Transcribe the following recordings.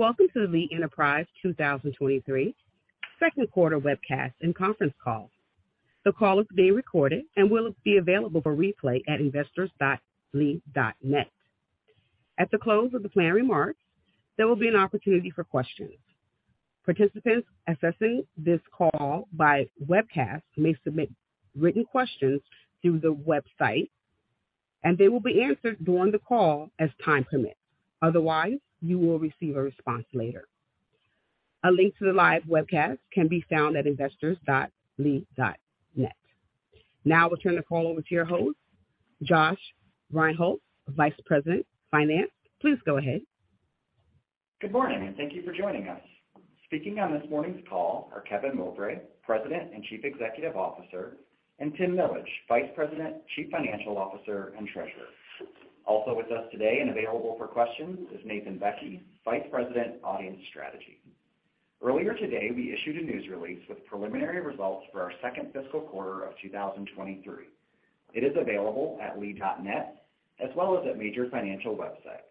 Welcome to the Lee Enterprises 2023 Second Quarter Webcast and Conference Call. The call is being recorded and will be available for replay at investors.lee.net. At the close of the planned remarks, there will be an opportunity for questions. Participants assessing this call by webcast may submit written questions through the website, and they will be answered during the call as time permits. Otherwise, you will receive a response later. A link to the live webcast can be found at investors.lee.net. Now we'll turn the call over to your host, Josh Rinehults, Vice President, Finance. Please go ahead. Good morning, and thank you for joining us. Speaking on this morning's call are Kevin Mowbray, President and Chief Executive Officer, and Tim Millage, Vice President, Chief Financial Officer, and Treasurer. Also with us today and available for questions is Nathan Bekke, Vice President, Audience Strategy. Earlier today, we issued a news release with preliminary results for our second fiscal quarter of 2023. It is available at lee.net as well as at major financial websites.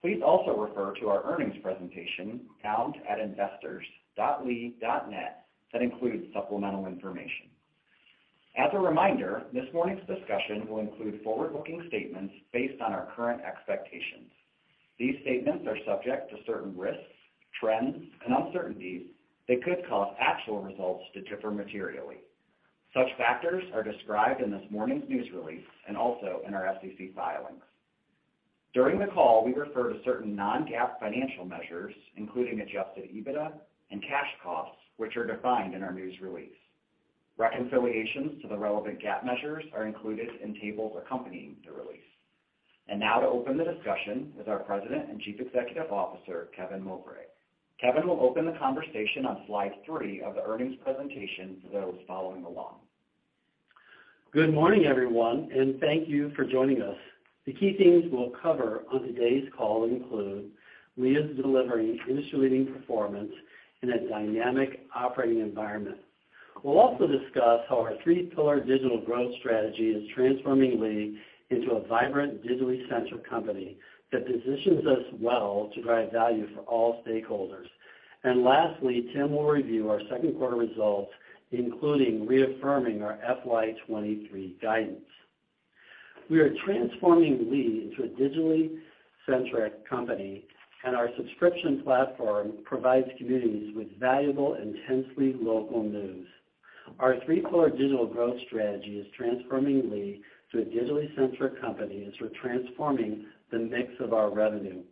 Please also refer to our earnings presentation found at investors.lee.net that includes supplemental information. As a reminder, this morning's discussion will include forward-looking statements based on our current expectations. These statements are subject to certain risks, trends, and uncertainties that could cause actual results to differ materially. Such factors are described in this morning's news release and also in our SEC filings. During the call, we refer to certain non-GAAP financial measures, including Adjusted EBITDA and cash costs, which are defined in our news release. Reconciliations to the relevant GAAP measures are included in tables accompanying the release. Now to open the discussion is our President and Chief Executive Officer, Kevin Mowbray. Kevin will open the conversation on slide three of the earnings presentation for those following along. Good morning, everyone, and thank you for joining us. The key things we'll cover on today's call include Lee is delivering industry-leading performance in a dynamic operating environment. We'll also discuss how our Three Pillar Digital Growth Strategy is transforming Lee into a vibrant, digitally centric company that positions us well to drive value for all stakeholders. Lastly, Tim will review our second quarter results, including reaffirming our FY 2023 guidance. We are transforming Lee into a digitally centric company, our subscription platform provides communities with valuable, intensely local news. Our Three Pillar Digital Growth Strategy is transforming Lee to a digitally centric company as we're transforming the mix of our revenue.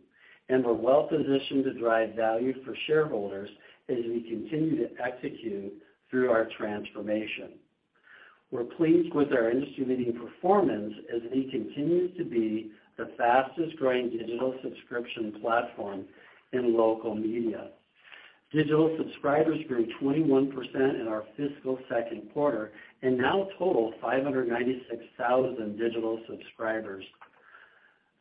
We're well positioned to drive value for shareholders as we continue to execute through our transformation. We're pleased with our industry-leading performance as Lee continues to be the fastest-growing digital subscription platform in local media. Digital subscribers grew 21% in our fiscal second quarter and now total 596,000 digital subscribers.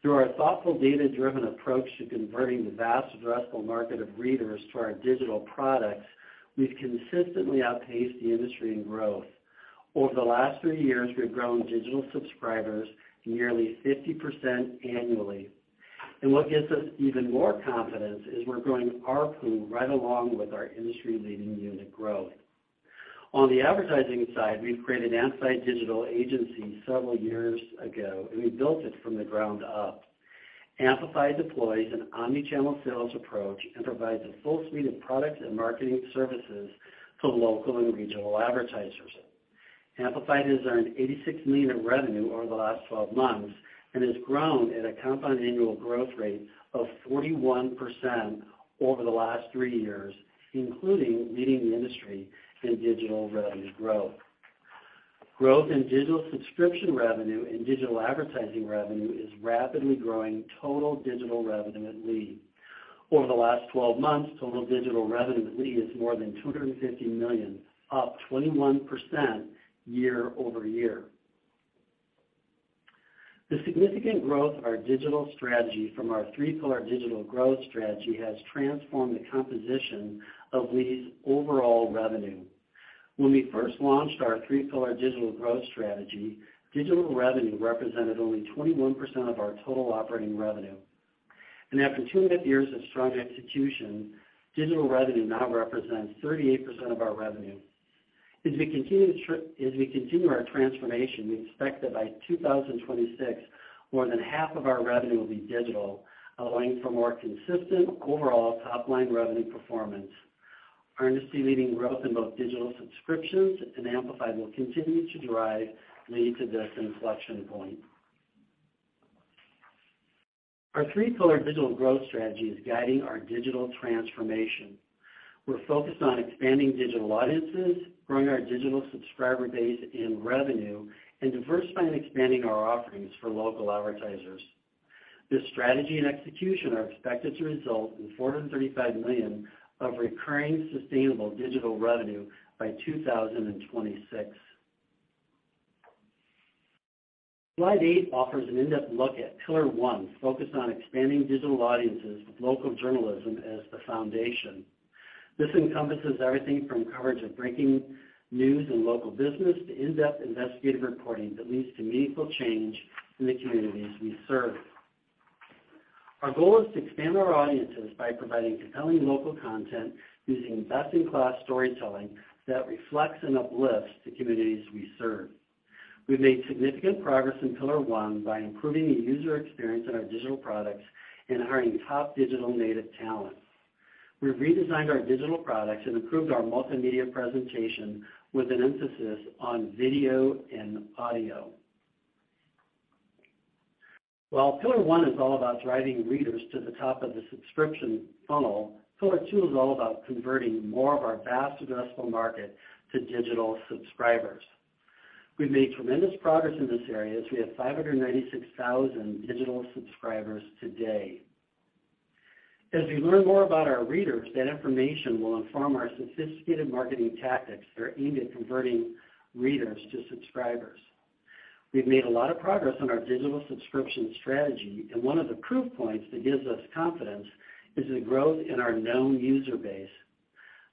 Through our thoughtful data-driven approach to converting the vast addressable market of readers to our digital products, we've consistently outpaced the industry in growth. Over the last three years, we've grown digital subscribers nearly 50% annually. What gives us even more confidence is we're growing ARPU right along with our industry-leading unit growth. On the advertising side, we've created Amplified Digital agency several years ago, and we built it from the ground up. Amplify deploys an omni-channel sales approach and provides a full suite of products and marketing services to local and regional advertisers. Amplify has earned $86 million in revenue over the last 12 months and has grown at a compound annual growth rate of 41% over the last three years, including leading the industry in digital revenue growth. Growth in digital subscription revenue and digital advertising revenue is rapidly growing total digital revenue at Lee. Over the last 12 months, total digital revenue at Lee is more than $250 million, up 21% year-over-year. The significant growth of our digital strategy from our Three Pillar Digital Growth Strategy has transformed the composition of Lee's overall revenue. When we first launched our Three Pillar Digital Growth Strategy, digital revenue represented only 21% of our total operating revenue. After two and a half years of strong execution, digital revenue now represents 38% of our revenue. As we continue our transformation, we expect that by 2026, more than half of our revenue will be digital, allowing for more consistent overall top-line revenue performance. Our industry-leading growth in both digital subscriptions and Amplify will continue to drive Lee to this inflection point. Our Three Pillar Digital Growth Strategy is guiding our digital transformation. We're focused on expanding digital audiences, growing our digital subscriber base in revenue, and diversifying and expanding our offerings for local advertisers. This strategy and execution are expected to result in $435 million of recurring sustainable digital revenue by 2026. Slide eight offers an in-depth look at pillar one, focused on expanding digital audiences with local journalism as the foundation. This encompasses everything from coverage of breaking news and local business to in-depth investigative reporting that leads to meaningful change in the communities we serve. Our goal is to expand our audiences by providing compelling local content using best in class storytelling that reflects and uplifts the communities we serve. We've made significant progress in pillar one by improving the user experience in our digital products and hiring top digital native talent. We've redesigned our digital products and improved our multimedia presentation with an emphasis on video and audio. While pillar one is all about driving readers to the top of the subscription funnel, pillar two is all about converting more of our vast addressable market to digital subscribers. We've made tremendous progress in this area as we have 596,000 digital subscribers today. As we learn more about our readers, that information will inform our sophisticated marketing tactics that are aimed at converting readers to subscribers. We've made a lot of progress on our digital subscription strategy. One of the proof points that gives us confidence is the growth in our known user base.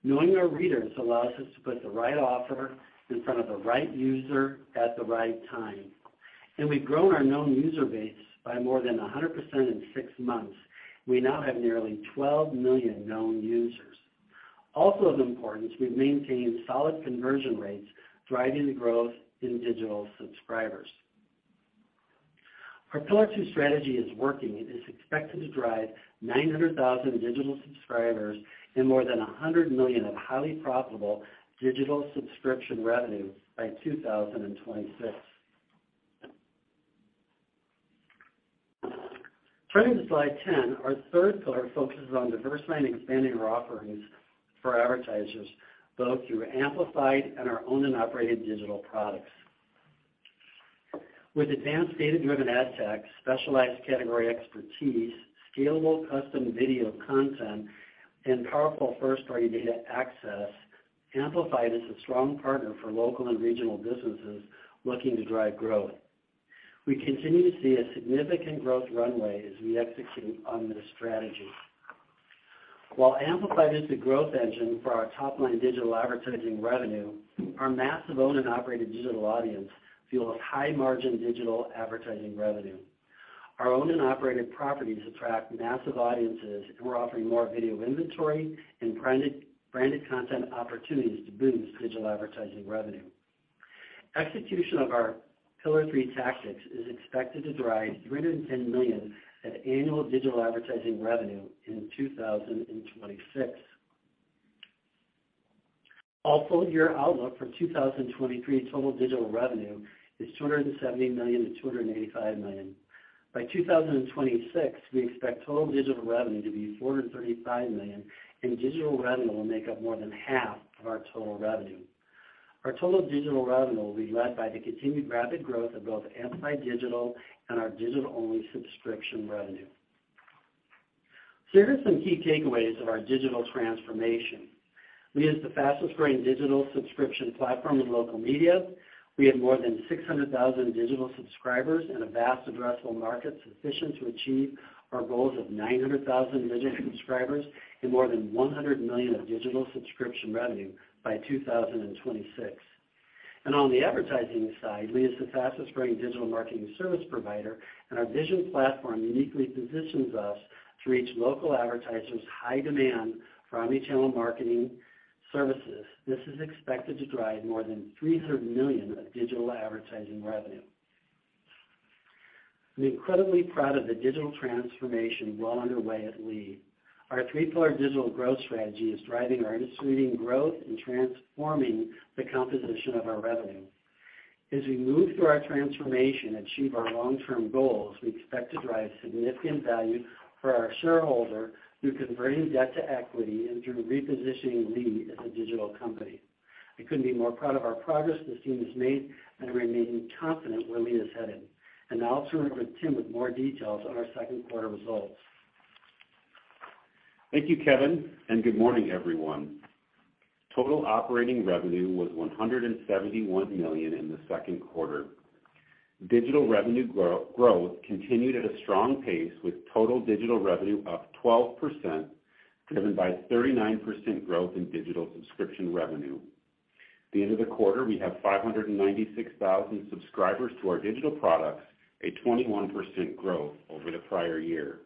Knowing our readers allows us to put the right offer in front of the right user at the right time. We've grown our known user base by more than 100% in six months. We now have nearly 12 million known users. Also of importance, we've maintained solid conversion rates, driving the growth in digital subscribers. Our pillar two strategy is working and is expected to drive 900,000 digital subscribers and more than $100 million of highly profitable digital subscription revenue by 2026. Turning to slide 10, our third pillar focuses on diversifying and expanding our offerings for advertisers, both through Amplified and our owned and operated digital products. With advanced data driven ad tech, specialized category expertise, scalable custom video content, and powerful first party data access, Amplified is a strong partner for local and regional businesses looking to drive growth. We continue to see a significant growth runway as we execute on this strategy. While Amplified is the growth engine for our top line digital advertising revenue, our massive owned and operated digital audience fuels high margin digital advertising revenue. Our owned and operated properties attract massive audiences, and we're offering more video inventory and branded content opportunities to boost digital advertising revenue. Execution of our pillar three tactics is expected to drive $310 million of annual digital advertising revenue in 2026. Our full year outlook for 2023 total digital revenue is $270 million-$285 million. By 2026, we expect total digital revenue to be $435 million, and digital revenue will make up more than half of our total revenue. Our total digital revenue will be led by the continued rapid growth of both Amplified Digital and our digital only subscription revenue. Here are some key takeaways of our digital transformation. Lee is the fastest growing digital subscription platform in local media. We have more than 600,000 digital subscribers and a vast addressable market sufficient to achieve our goals of 900,000 digital subscribers and more than $100 million of digital subscription revenue by 2026. On the advertising side, Lee is the fastest growing digital marketing service provider, and our Vision platform uniquely positions us to reach local advertisers' high demand for omni channel marketing services. This is expected to drive more than $300 million of digital advertising revenue. I'm incredibly proud of the digital transformation well underway at Lee. Our Three Pillar Digital Growth Strategy is driving our industry leading growth and transforming the composition of our revenue. As we move through our transformation and achieve our long term goals, we expect to drive significant value for our shareholder through converting debt to equity and through repositioning Lee as a digital company. I couldn't be more proud of our progress this team has made and remain confident where Lee is headed. Now I'll turn it over to Tim Millage with more details on our second quarter results. Thank you, Kevin. Good morning, everyone. Total operating revenue was $171 million in the second quarter. Digital revenue growth continued at a strong pace with total digital revenue up 12%, driven by 39% growth in digital subscription revenue. At the end of the quarter, we have 596,000 subscribers to our digital products, a 21% growth over the prior year.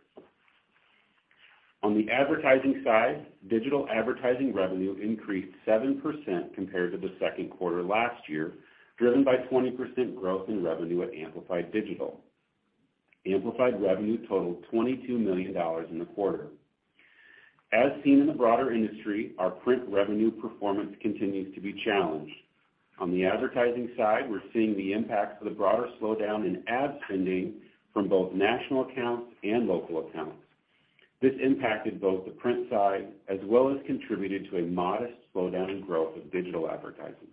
On the advertising side, digital advertising revenue increased 7% compared to the second quarter last year, driven by 20% growth in revenue at Amplified Digital. Amplified revenue totaled $22 million in the quarter. As seen in the broader industry, our print revenue performance continues to be challenged. On the advertising side, we're seeing the impacts of the broader slowdown in ad spending from both national accounts and local accounts. This impacted both the print side as well as contributed to a modest slowdown in growth of digital advertising.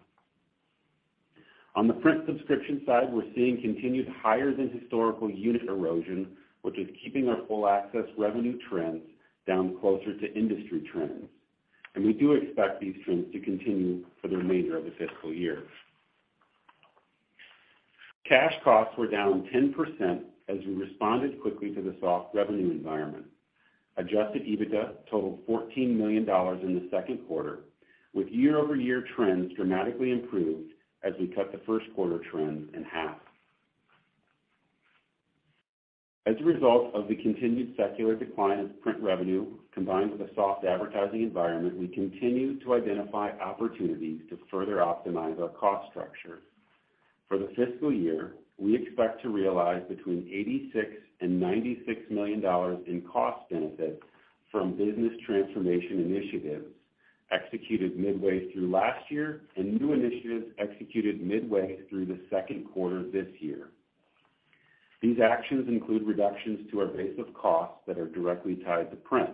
On the print subscription side, we're seeing continued higher than historical unit erosion, which is keeping our full access revenue trends down closer to industry trends. We do expect these trends to continue for the remainder of the fiscal year. Cash costs were down 10% as we responded quickly to the soft revenue environment. Adjusted EBITDA totaled $14 million in the second quarter, with year-over-year trends dramatically improved as we cut the first quarter trend in half. As a result of the continued secular decline of print revenue, combined with a soft advertising environment, we continue to identify opportunities to further optimize our cost structure. For the fiscal year, we expect to realize between $86 million and $96 million in cost benefits from business transformation initiatives executed midway through last year and new initiatives executed midway through the second quarter this year. These actions include reductions to our base of costs that are directly tied to print,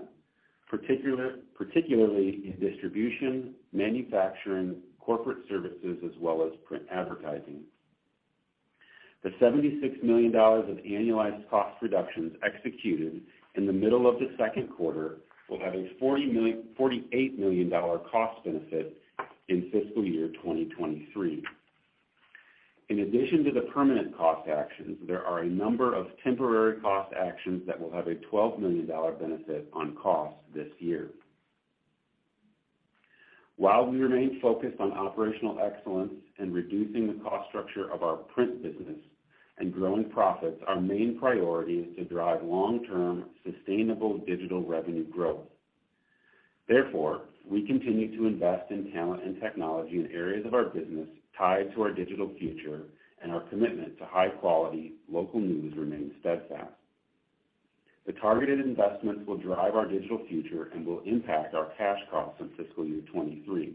particularly in distribution, manufacturing, corporate services, as well as print advertising. The $76 million of annualized cost reductions executed in the middle of the second quarter will have a $48 million cost benefit in fiscal year 2023. In addition to the permanent cost actions, there are a number of temporary cost actions that will have a $12 million benefit on cost this year. While we remain focused on operational excellence and reducing the cost structure of our print business and growing profits, our main priority is to drive long-term sustainable digital revenue growth. We continue to invest in talent and technology in areas of our business tied to our digital future and our commitment to high quality local news remains steadfast. The targeted investments will drive our digital future and will impact our cash costs in fiscal year 2023.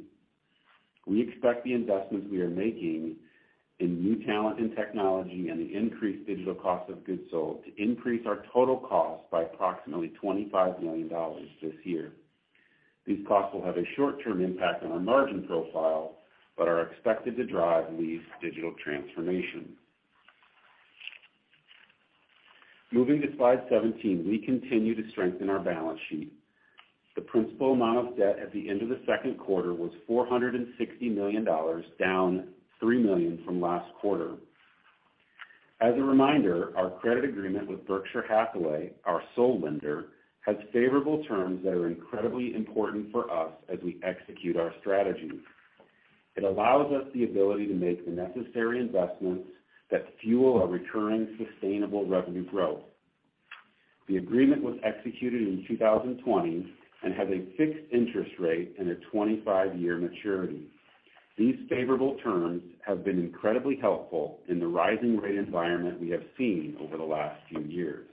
We expect the investments we are making in new talent and technology and the increased digital cost of goods sold to increase our total cost by approximately $25 million this year. These costs will have a short-term impact on our margin profile, but are expected to drive Lee's digital transformation. Moving to slide 17. We continue to strengthen our balance sheet. The principal amount of debt at the end of the second quarter was $460 million, down $3 million from last quarter. As a reminder, our credit agreement with Berkshire Hathaway, our sole lender, has favorable terms that are incredibly important for us as we execute our strategy. It allows us the ability to make the necessary investments that fuel our recurring sustainable revenue growth. The agreement was executed in 2020 and has a fixed interest rate and a 25-year maturity. These favorable terms have been incredibly helpful in the rising rate environment we have seen over the last few years.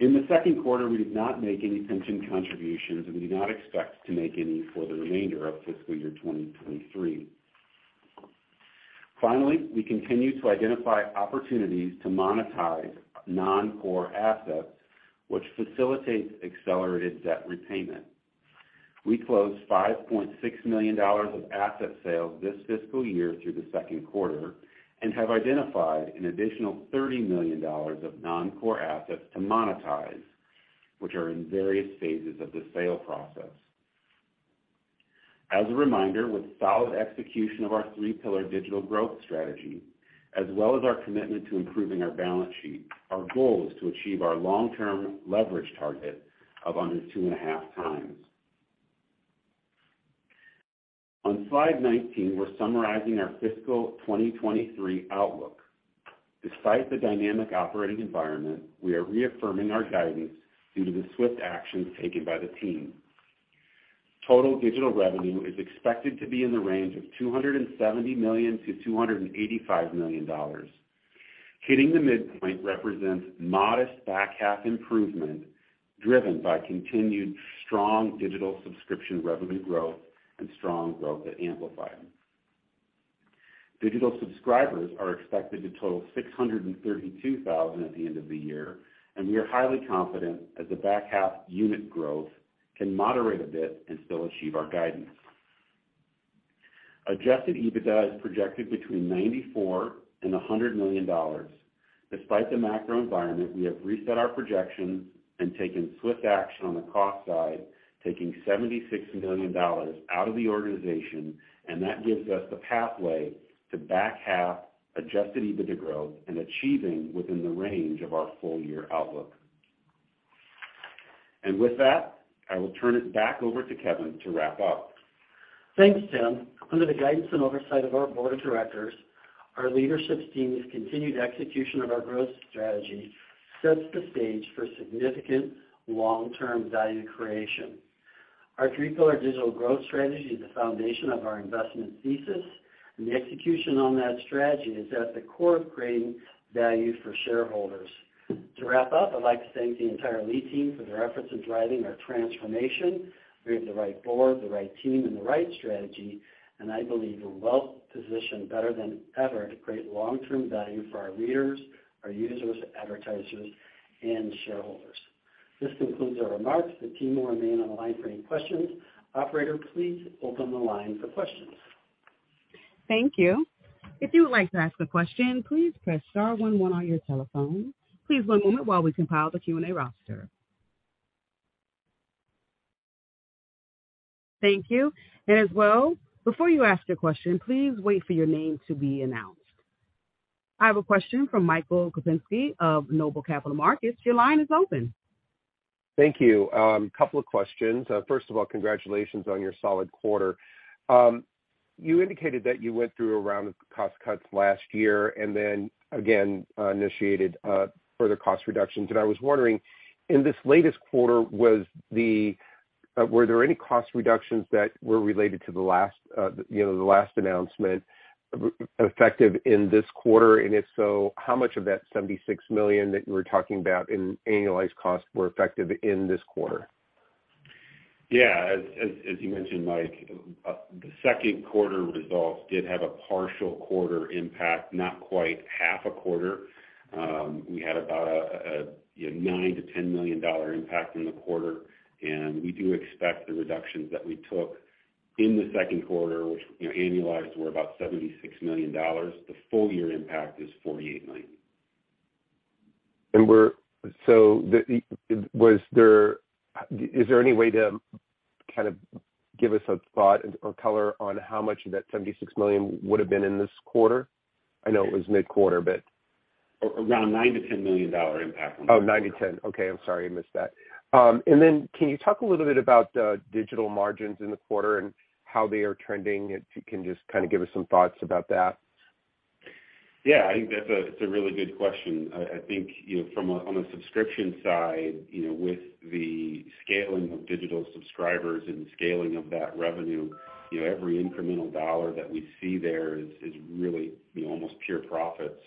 In the second quarter, we did not make any pension contributions, and we do not expect to make any for the remainder of fiscal year 2023. Finally, we continue to identify opportunities to monetize non-core assets, which facilitates accelerated debt repayment. We closed $5.6 million of asset sales this fiscal year through the second quarter and have identified an additional $30 million of non-core assets to monetize, which are in various phases of the sale process. As a reminder, with solid execution of our Three Pillar Digital Growth Strategy as well as our commitment to improving our balance sheet, our goal is to achieve our long-term leverage target of under two and a half times. On slide 19, we're summarizing our fiscal 2023 outlook. Despite the dynamic operating environment, we are reaffirming our guidance due to the swift actions taken by the team. Total digital revenue is expected to be in the range of $270 million-$285 million. Hitting the midpoint represents modest back half improvement, driven by continued strong digital subscription revenue growth and strong growth at Amplified. Digital subscribers are expected to total 632,000 at the end of the year. We are highly confident as the back half unit growth can moderate a bit and still achieve our guidance. Adjusted EBITDA is projected between $94 million and $100 million. Despite the macro environment, we have reset our projections and taken swift action on the cost side, taking $76 million out of the organization, and that gives us the pathway to back half Adjusted EBITDA growth and achieving within the range of our full year outlook. With that, I will turn it back over to Kevin to wrap up. Thanks, Tim. Under the guidance and oversight of our Board of Directors, our leadership team's continued execution of our growth strategy sets the stage for significant long-term value creation. Our Three Pillar Digital Growth Strategy is the foundation of our investment thesis. The execution on that strategy is at the core of creating value for shareholders. To wrap up, I'd like to thank the entire Lee team for their efforts in driving our transformation. We have the right board, the right team, and the right strategy. I believe we're well positioned better than ever to create long-term value for our readers, our users, advertisers, and shareholders. This concludes our remarks. The team will remain on the line for any questions. Operator, please open the line for questions. Thank you. If you would like to ask a question, please press star one one on your telephone. Please one moment while we compile the Q&A roster. Thank you. As well, before you ask a question, please wait for your name to be announced. I have a question from Michael Kupinski of Noble Capital Markets. Your line is open. Thank you. Couple of questions. First of all, congratulations on your solid quarter. You indicated that you went through a round of cost cuts last year and then again, initiated further cost reductions. I was wondering in this latest quarter, were there any cost reductions that were related to the last, you know, the last announcement effective in this quarter? If so, how much of that $76 million that you were talking about in annualized costs were effective in this quarter? Yeah, as you mentioned, Mike, the second quarter results did have a partial quarter impact, not quite half a quarter. We had about a, you know, $9 million-$10 million impact in the quarter. We do expect the reductions that we took in the second quarter, which, you know, annualized were about $76 million. The full year impact is $48 million. Is there any way to kind of give us a thought or color on how much of that $76 million would have been in this quarter? I know it was mid-quarter, but. Around $9 million-$10 million impact. 9%-10%. Okay. I'm sorry, I missed that. Can you talk a little bit about digital margins in the quarter and how they are trending? If you can just kind of give us some thoughts about that. Yeah, I think that's a really good question. I think, you know, on a subscription side, you know, with the scaling of digital subscribers and scaling of that revenue, you know, every incremental $1 that we see there is really, you know, almost pure profit.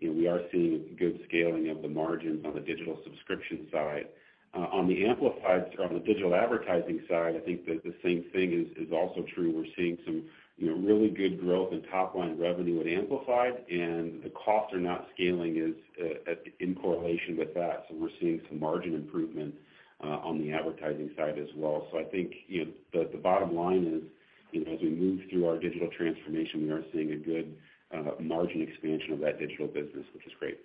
You know, we are seeing good scaling of the margins on the digital subscription side. On the digital advertising side, I think that the same thing is also true. We're seeing some, you know, really good growth in top line revenue at Amplified, the costs are not scaling as in correlation with that. We're seeing some margin improvement on the advertising side as well. I think, you know, the bottom line is, you know, as we move through our digital transformation, we are seeing a good margin expansion of that digital business, which is great.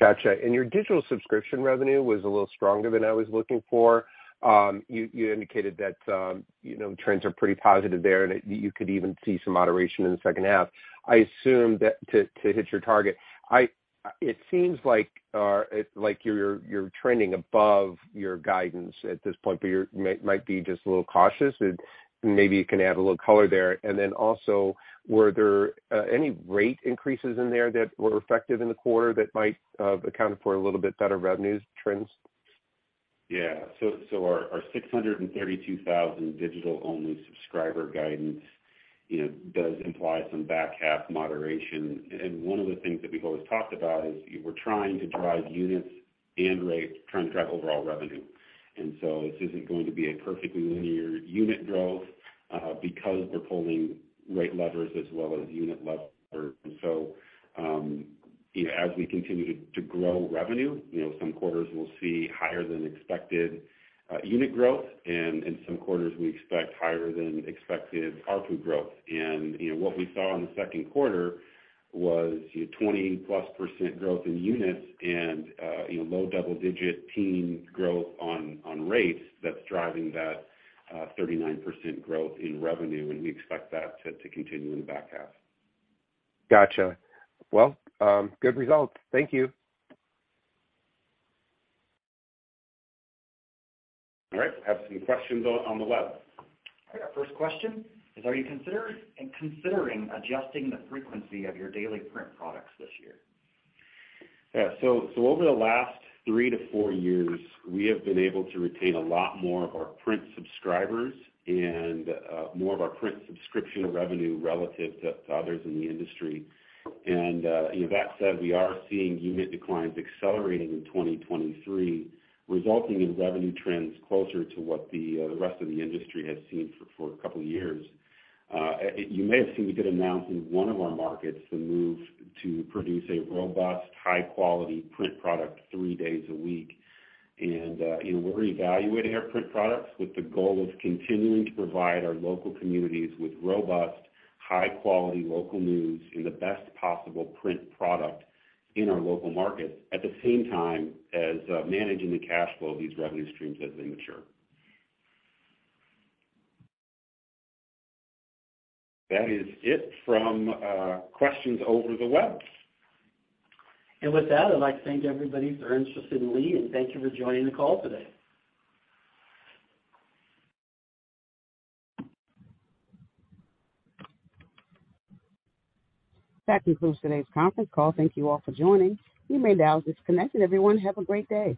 Gotcha. Your digital subscription revenue was a little stronger than I was looking for. You indicated that, you know, trends are pretty positive there, and you could even see some moderation in the second half. I assume that to hit your target. It seems like you're trending above your guidance at this point, but you might be just a little cautious and maybe you can add a little color there. Also, were there any rate increases in there that were effective in the quarter that might account for a little bit better revenues trends? Yeah. So our 632,000 digital-only subscriber guidance, you know, does imply some back half moderation. One of the things that we've always talked about is we're trying to drive units and rates, trying to drive overall revenue. This isn't going to be a perfectly linear unit growth because we're pulling rate levers as well as unit levers. You know, as we continue to grow revenue, you know, some quarters will see higher than expected unit growth and some quarters we expect higher than expected ARPU growth. You know, what we saw in the second quarter was 20+% growth in units and, you know, low double-digit teen growth on rates that's driving that 39% growth in revenue. We expect that to continue in the back half. Gotcha. Well, good results. Thank you. All right. Have some questions on the web. All right. Our first question is, are you considering adjusting the frequency of your daily print products this year? Over the last three to four years, we have been able to retain a lot more of our print subscribers and, more of our print subscription revenue relative to others in the industry. You know, that said, we are seeing unit declines accelerating in 2023, resulting in revenue trends closer to what the rest of the industry has seen for a couple of years. You may have seen we did announce in one of our markets the move to produce a robust, high quality print product three days a week. you know, we're evaluating our print products with the goal of continuing to provide our local communities with robust, high quality local news in the best possible print product in our local markets, at the same time as managing the cash flow of these revenue streams as they mature. That is it from questions over the web. With that, I'd like to thank everybody for their interest in Lee, and thank you for joining the call today. That concludes today's conference call. Thank you all for joining. You may now disconnect. Everyone, have a great day.